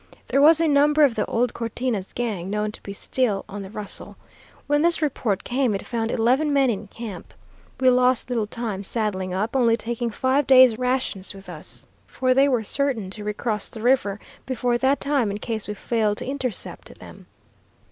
There was a number of the old Cortina's gang known to be still on the rustle. When this report came, it found eleven men in camp. We lost little time saddling up, only taking five days' rations with us, for they were certain to recross the river before that time in case we failed to intercept them.